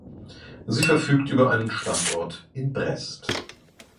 Sie verfügt über einen Standort in Brest.